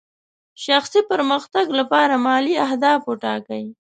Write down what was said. شخصي پرمختګ لپاره مالي اهداف ټاکئ.